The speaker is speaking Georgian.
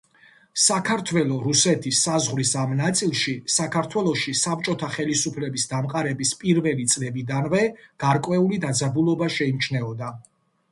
საქართველო-რუსეთის საზღვრის ამ ნაწილში საქართველოში საბჭოთა ხელისუფლების დამყარების პირველი წლებიდანვე გარკვეული დაძაბულობა შეიმჩნეოდა.